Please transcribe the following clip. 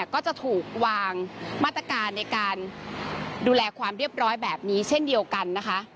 ก็จะถูกวางมาตรการในการดูแลความเรียบร้อยแบบนี้เช่นเดียวกันนะคะ